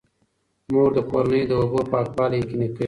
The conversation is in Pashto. مور د کورنۍ د اوبو پاکوالی یقیني کوي.